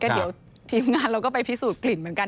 เดี๋ยวทีมงานเราก็ไปพิสูจนกลิ่นเหมือนกัน